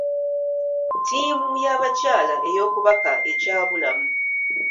Ttiimu yabakyala eyokubaka ekyabulamu.